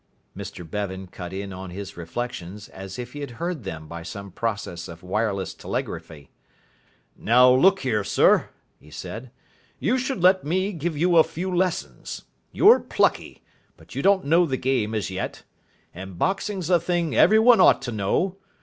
Mr Bevan cut in on his reflections as if he had heard them by some process of wireless telegraphy. "Now, look here, sir," he said, "you should let me give you a few lessons. You're plucky, but you don't know the game as yet. And boxing's a thing every one ought to know.